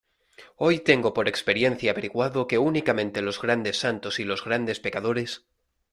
hoy tengo por experiencia averiguado que únicamente los grandes santos y los grandes pecadores,